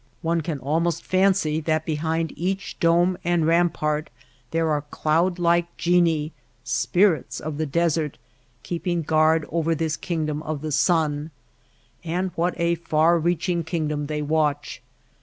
One can almost fancy that behind each dome and rampart there are cloud like Genii — spirits of the desert — keeping guard over this kingdom of the sun. And what a far reaching kingdom they watch